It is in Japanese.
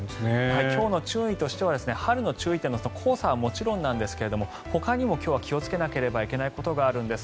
今日の注意としては春の注意点の黄砂はもちろんなんですがほかにも気をつけなければいけないことがあるんです。